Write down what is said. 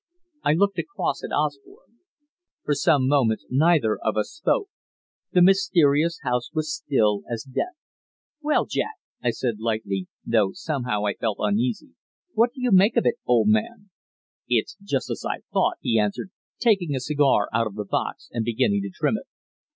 I looked across at Osborne. For some moments neither of us spoke. The mysterious house was still as death. "Well, Jack," I said lightly, though somehow I felt uneasy, "what do you make of it, old man?" "It is just as I thought," he answered, taking a cigar out of the box and beginning to trim it.